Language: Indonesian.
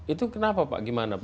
itu kenapa pak gimana pak